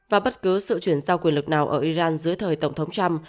và bất cứ sự chuyển giao quyền lực nào ở iran dưới thời tổng thống trump